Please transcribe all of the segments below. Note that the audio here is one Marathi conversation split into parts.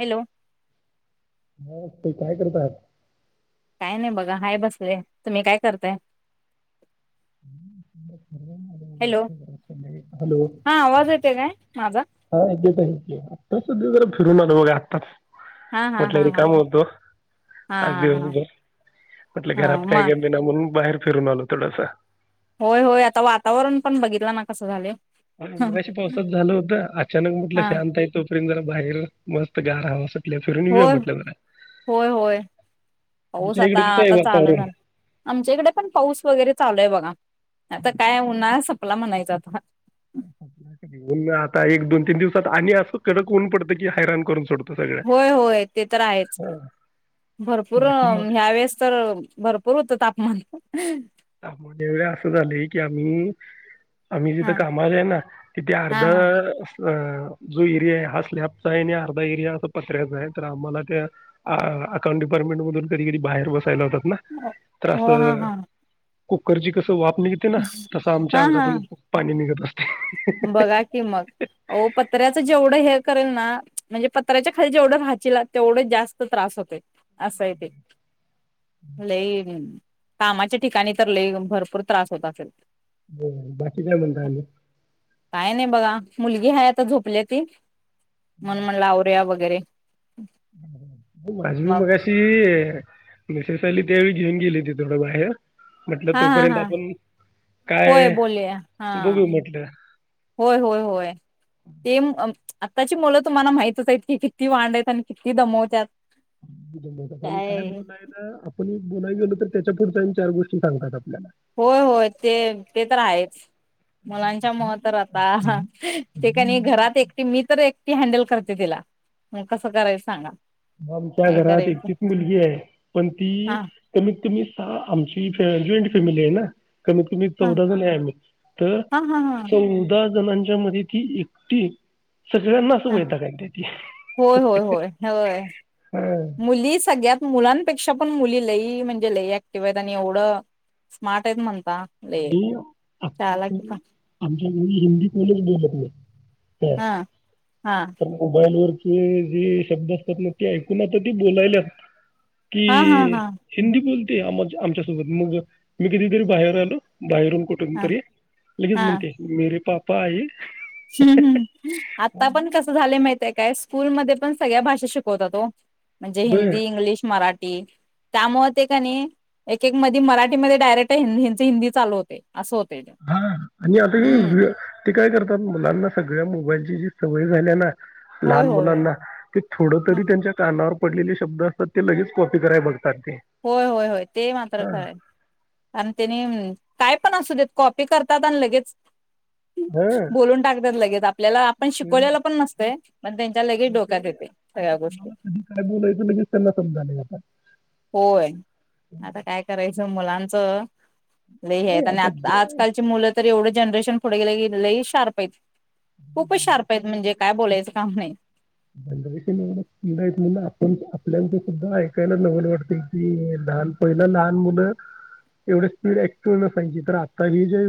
हॅलो हो ते काय करत आहात? काय नाही बघा हाय बसलेय. तुम्ही काय करताय? हॅलो हॅलो [unintelligible] हा आवाज येते काय माझा तरा फिरून आलो बघा आत्ताच हा हा म्हटलं हा हा रीकाम होतो हा आज दिवस हा भर म्हटलं हा घरात काय म गमेना ना म्हणून बाहेर फिरून आलो थोडसं. होय होय आता वातावरण पण बघितलं न कसं झालय. अ मगाशी पावसात झालं होत अचानक म्हटलं हा शांत आहे तो तोपर्यंत जरा बाहेर मस्त गार हवा सूट होय होय होय पाऊस तुमच्या आता इकडे कसं आहे आता चालू वातावरण झाला आमच्याकडे पण पाऊस वगैरे चाललय बघा आता काय उन्हाळा सम ला म्हणायचा आता. ऊन आता एक दोन तीन दिवसात आणि असं कडक ऊन पडत की हैराण करून सोडतो. सगळ्या होय होय ते तर आहेच. हा. भरपूर अ बाकी मग ह्या वेळेस तर भरपूर होत तापमान. [unintelligible] [unintelligible] असं झालंय की आम्ही आम्ही जिथं हा कामाला जाय ना तिथे अर्ध हा हा अ जो एरिया आहे हा स्लॅबचा आहे आणि अर्धा एरिया असा पत्र्याचा आहे तर आम्हाला त्या अकाउंट डिपार्टमेंट मधून कधी कधी बाहेर बस. होतात ना त्रास. हो हा हा कुकरची कस. त वाप निघते ना तसं आमच्या हा हा अंगातून खुप पाणी निघत अस. बघा कि मग ओ पत्र्याच जेवढं हे. करेल ना म्हणजे पत्राच्या खाली जेवढं राहचिला तेवढच जास्त त्रास होतेय असं आहे ते लई कामाच्या ठिकाणी तर लई भरपूर त्रास होत असेल. हो बाकी काय म्हणताय आनी काय नाही बघा मुलगी हाय आता झोपल्या ती. मन म्हणलं आवरूया बघ. वगैरे माझं मी मग मगाशी त्यावेळी घेऊन गेली ते थोडं बाहेर. म्हटलं हा हा तोपर्यंत हा आपण होय काय बोलले हा बघू म्हटलं होय होय होय ते. आत्ताची मुलं तुम्हाला माहितच आहेत की किती वाांड आहेत आणि किती दमवत. जमतात आणि काय बोलय आपण बोलाय गेलो तर त्याच्या पुढच्या पण चार गोष्टी सांगतात. आपल्याला होय होय ते ते तर आहेच मुलांच्या मुळ तर आता हं. ते अगदी काय नाही मुलं- घरात एकटी मी एकटी ती हँडल करते तिला मग कसं करायच सांगा. आमच्या काय घरात करायचं एकटीच मुलगी आहे पण ती हा कमीत तुम्ही आमची जॉईंट फॅमिली आहे ना. कमीत कमी हा चौदा जण आहेआम्ही तर हा हा हा चौदा जणांच्या मध्ये ती एकटी हा सगळ्यांनासूबैदा काय त्या होय होय त होय होय. मुली सगळ्यात मुलांन मुलान पेक्षा पण मुली लई म्हणजे लई ऍक्टिव्ह आहेत आणि एवढं स्मार्ट आहेत म्हण [unintelligible] [unintelligible] पण ह हा हा तर मोबाईल वर ते जे शब्द असतात ना ते ऐकून आता ती बोलायल्या ती हा हा हा हिंदी बोल ते आम आमच्यासोबत मग मी कधीतरी बाहेर आलो ती बाहेरून कुठून हा तरी लगेच हा म्हणते मेरे पापा पा आये. हम्म हम्म आता पण कस झालं माहितीये काय स्कूलमध्ये पण सगळ्या भाषा शिकवतात ओ. म्हणजे बर हिंदी, इंग्लिश, मराठी त्यामुळे ते का नी एक एक मदी मराठीमध्ये डायरेक्ट यांच हिंदी चालू होतय. असं ते. हा आणि हम्म आता काय करतात मुलांना सगळ्या मोबाईलची जी सवय झाल्या ना होय लहान होय होय मुलांना ते थोड तरी त्यांच्या कानावर पडलेले शब्द असतात ते लगेच कॉपी कराय बघात होय होय होय ते मात्र खरंय आणि त्यांनी काय पण असू देत कॉपी करतात आणि लगेच हा बोलून टाकतात लगेच आपल्याला आपण ते शिकवलेला पण नसतय. ते आ तुम्हाला कधी काय बोलायचं लगेच त्यांना समजालय आता. होय आता काय करायचं मुलां च लई हे नाही येत आणि आता जे आजकालची मुलं तर एवढं जनरेशन पटकन पुढ गेलं की लई शार्प आहेत. [unintelligible] खूपच शार्प आहेत म्हणजे काय बोलायचं काम नाही आपल्या ते सुद्धा ऐकायला नवल वाटते कि लहान पहिलं लहान मुलं एवढे स्पीड ऍक्टिव्ह नसायची तर आता हे जे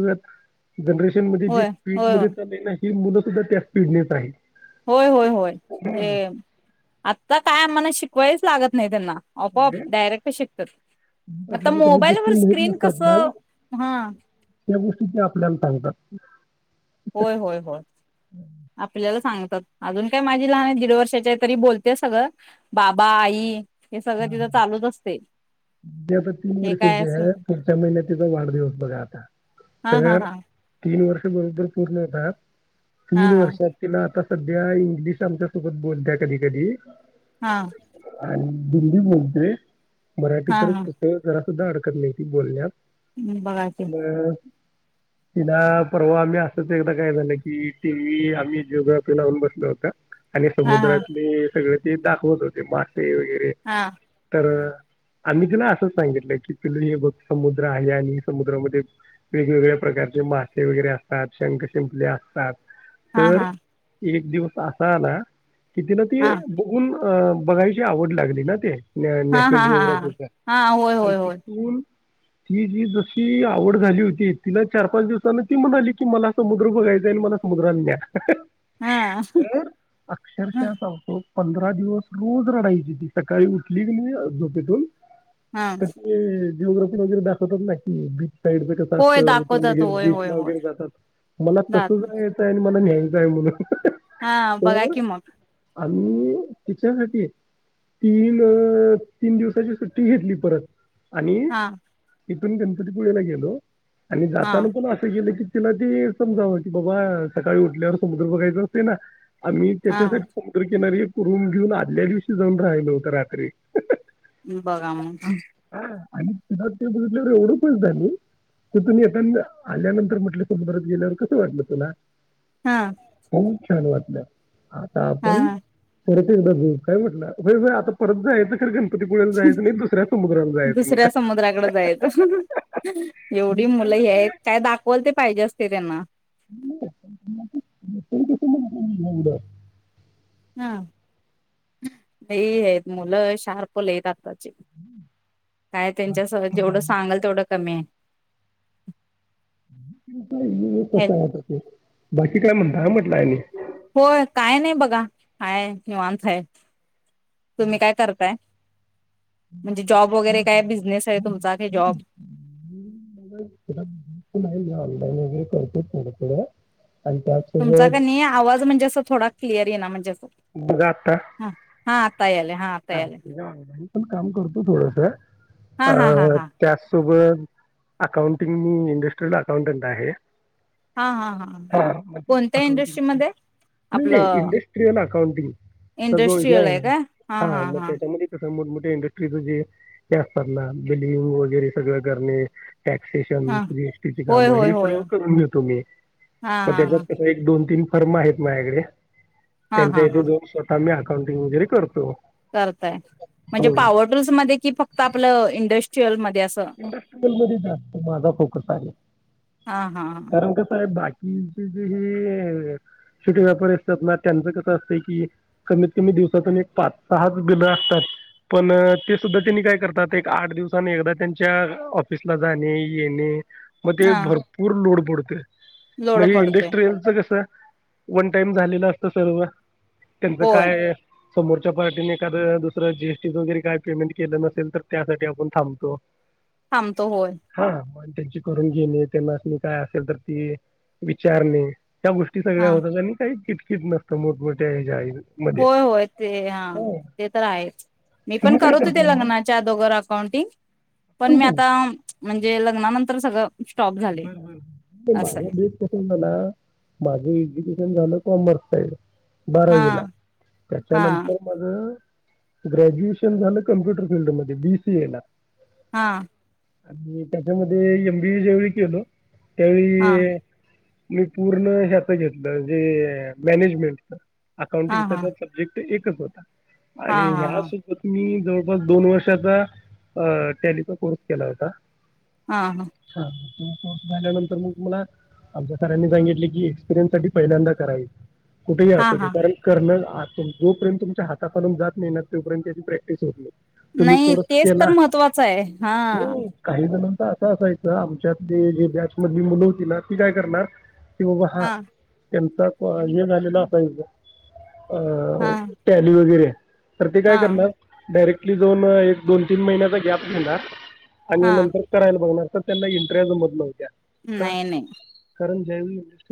जनरेशन मध्ये जे होय स्पीड होय मध्ये चाले ना ही मुलं सुद्धा त्याच स्पीडनेच आहेत. होय होय होय ते आता काय म्ह शिकवायच लागत नाही त्यांना. आपोआप डायरेक्ट शिकतात. आता आपल्याला काही मोबाईल गोष्टी वर माहित स्क्रीन नसतात ना कसं हा त्या गोष्टी ते आपल्याला सांगतात. होय होय होय आपल्याला सांगत अजून काय माझी लहान आहे दीड वर्षाची आहे तरी बोलते सगळं बाबा आई हे हा सगळं तिथं हा चालूच असते ती आता तीन हे काय वर्षाची असं आहे पुढच्या महिन्यात तिचा वाढदिवस बघा आता हा हा तर हा. तीन वर्ष बरोबर पूर्ण होतात. हा तीन हा वर्षात तिला आता सध्या इंग्लिश आमच्या सोबत बोलत्या कधी कधी हा आणि दिल्ली बोलते. मराठी हा तर हा कुठ जरा सुद्धा अडकत नाही ती बोलण्यात हम् बघाकी मग तिला परवा आम्ही असंच एकदा काय झालं की, टी व्ही आम्ही जिओग्राफी लावून बसलो होतो आणि हा हा समुद्रातली सगळ ते दाखवत होते मासे वगैरे, हा तर आम्ही ती असंच सांगितलं की, पिल्लु हे बघ समुद्र आहे आणि समुद्रामध्ये वेगवेगळ्या प्रकारचे मासे वगैरे असतात शंख, शिंपले असतात हा तर हा. एक दिवस असा आला कि ती न हा ते बघुन, अ बघायची आवड लागली ना, ते नॅ हा नॅशनल हा हा हा जिओग्राफीचा हा होय आणि होय होय तिथुन ती जी जशी आवड झाली होती, तिला चार पाच दिवसाांन ती म्हणाली कि, मला समुद्र बघायचा आणि मला समुद्रान न्या. हा तर अक्षरशः सांगतो पंधरा दिवस रोज रडायची ती, सकाळी उठली कीनी झोपेतून हा तर ते जिओग्राफीमध्येे दाखवतात ना की साईडच कस होय असत दाखवतात [unintelligible] होय बीच होय ला होय वगैरे जातात मला दात तसं जायचं आणि मला न्याय य म्हणुन हा बघा की, मग आम्ही तिच्यासाठी तीन तीन दिवसाची सुट्टी घेतली परत आणि हा इथून गणपतीपुळेला गेलो. आणि हा जाताना पण असं गेलं की तिला ते समजावं की बाबा सकाळी उठल्यावर समुद्र बघायचं असतोय. ना आम्ही हा त्याच्यासाठी समुद्रकिनारी रुमघेऊन आदल्या दिवशी जाऊन राहिलो होतो रात्री, बघा मग, आणि तिला ते बघितल्यावर एवढं खुश झाली. कि तिथुन येतान, आल्यानंतर म्हटलं समुद्रात गेल्यावर कसं वाटलं तुला, हा. खूप छान वाटलं. आता आपण हा तर ते बाजू काय म्हटला. व्हय व्हय आता परत जाय का गन दुसऱ्या म्हणा समुद्राकड जायच एवढी मुल हेत काय दाखवाल ते पाहिजे असत. ते देना. [unintelligible] ह लई हेत मुल शार्प लई त आता त काय त्यांच्यासवे जेवढ सांगाल तेवढ कमी ये आहे [inaudible] काय म्हटलाग्य. होय काय नाही बघा काय निवांत हे. तुम्ही काय करताय. म्हणजे जॉब वगैरे काय बिझनेस हाय तुमचा काई जॉब नाही मी ऑनलाईन वगैरे करतो थोड थोड तुमचा कनी आवाज म्हणजे असथोडा क्लिर येना म्हणजे अस ह हा यायलाय हा आता यायलाय मी पण काम करतो थोडस हा अ हा हा हा त्यास सोबत अकाउंटिंग मी इंडट्रीलाअकाउंटंट आहे. हा हा हा मग ते कोणत्या अकाउंटिंग इंडस्ट्रीमध्ये आपल कौटिंग इंडस्ट्रीयल हाय का. हा म त्याच्या मधी कस? जे इंडस्ट्री मधे जे असतातना बिलींग वगैरे सगळ करने. टॅक्स सेशन हा जीरासटी ची होय काम होय ही होय सर्व करून घेतो मी हा पण हा हा त्याच्यात कस एक दोन तीन पर माहीत माह्याकडे. हा त्यांच्या हा हिते हा जो स्वता मी हात अकाउंटिंग वगैरे करतो करताय म्हणजे म्हणून पावर ब्रूस मधे की फक्त आपल अ इंडश चल मध्ये असं इंडस्ट्रीयल मध्ये जास्त माझा फोकसआहे हा हा हा कारण कस हे बाकी अम ते जे हे अशे काही व्यापारी असतात ना त्यांच कसं असत कि कमीत कमी दिवसातून एक पाच सहाच बिलं असतात पण ते सुद्धा त्यांनी काय करतात एक आठ दिवसाने आणि एकदा त्यांच्या च्याऑफिसला जाणे येणे म ते हा भरपूर लोड पडोत क म लोड ही पडतोय इंडस्ट्रीयलचं कस वन टाइम झालेल असत सर्व त्यांचं होय काय समोरच्या पार्टीने एखाददुसरं जी एस टी वगैरे काय पेमेंट केलं नसेल तर त्यासाठी आपण थांबतो थांबतो होय हां मग त्यांची करून घेणे त्यांना म काय असेल तर त विचारणे त्या गोष्टी सगळ्या हा होतात आणि काही कीट नसते मोठमोठ्या ह होय होय ते हा ते तर आहे मी पण तुम्ही काय करत हो ते करताय मग लग्नाच्या अगोदर अकाउंटिंग पण मी आता म्हणजे लग्नानंतर सगळ माझा बश पस ना माझे झाल का मरतय बारावी ला हा हा त्याच्यानंतर माझ ग्रॅज्युएशन झालं कम्प्युटर फिल्ड मध्ये बी सी ए ला हा आणि त्याच्यामध्ये एम बी ए ज्यावेळी केलो हा त्यावेळी मी पूर्ण ह्यात घेतलं जे मॅनेजमेंटचं हा अकाउटिंगचा हा सब्जेक्ट ते एकच होता हा आणि हा ह्यासोबत मी जवळपास दोन वर्षाचा टॅलीचा कोर्स केला होता हा हा हां कोर्स झाल्यानंतर मग मला आमच्या सरांनी सांगितले की एक्सपिरियन्स साठी पहिल्यांदा कराय कुठेही हा असुदे हा कारण करणं जोपर्यं तुमच्या हाता खालून जात नाही ना तोपर्यंत त्याची प्रॅक्टिस होत नाही. तुम्ही नाही कोर्स तेच तर केला महत्त्वाचं हाय हा. नाही, काही जणांचं असं असायचं आमच्या ते जे बॅचमधली मुलं होती ना ती काय करणार, कि बाबा हा, त्यांचा हे झालेला असायच, हा अ टॅली वगैरे, तर ते काय हा करणार डायरेक्ट आपली दोन एक दोन तीन महिन्याचा गॅप घेणार, आणि हा नंतर करायला बघणार तर त्यांना इंट ट्रेन मधन होत्या. नाही नाही कारण ज्या वेळी इंडस्ट्री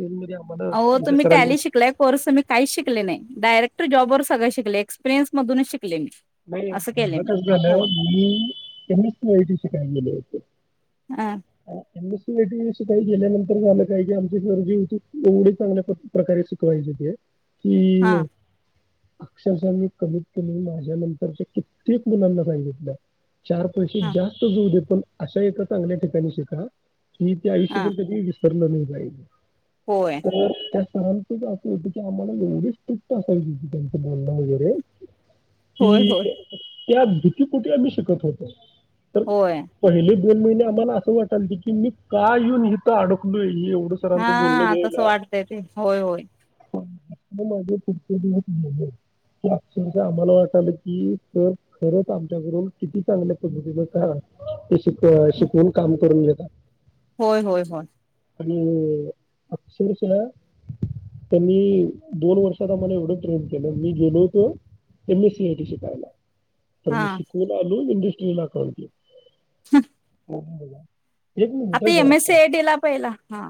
आओ तुम्ही टॅली शिकलाय कोर्स मी काहीच शिकले नाही डायरेक्ट जॉबवर सगळं शिकले एक्पिरियन्स मधूनच शिकले मी नाही असं केले माझ मी कास झालं हो मी एम. एस. सी. आयटी शिकाय गेलो होतो हा एम सी. आय. टी. शिकायला गेल्यानंतर झालं काय की आमच गुरुजी होतीत एवढ्या चांगल्या प्रकारे शिकवायचे ते हा की अक्षरशः मी कमीत कमी माझ्या नंतर कित्येक मुलांना सांगितलं चार पैसे हा जास्त जाऊदे पण अशा एका चांगल्या ठिकाणी शिका मी ते हा आयुष्यभर कधी विस सरणार नाही बाईजे होय [unintelligible] सरांच आसं होत की आम्हाला एवढी स्ट्रिक्ट असायची त्यांच बोलणं वगैरे होय होय हुं त्या भीतीपोटी आम्ही शिकत होतो. तर होय पहिली दोन महिने आम्हाला आसं वाटालत की मी का येऊन इथं आडकलोय एव हा तस वाटतय ते होय होय म माझे पुढचे दिवस गेले की आक्षरशा आम्हाला वाट वाटालागल की सर खरंच आमच्याकून किती चांगल्या पद्धतीन ते शी अ शिकवून काम करून घेत. होय होय होय. आणि अ अक्षरशः त्यांनी दोन वर्षात आम्हाला एवढं ट्रेन केलं. मी गेलो होतो त्यांनी सी ई टी शिकायला. तर हा मी शिकून आलो न इंडि केल अकाऊंटिंग. हं. [unintelligible] बोला. आता M S C I T ला पहिला हां